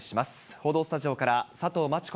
報道スタジオから、佐藤真知子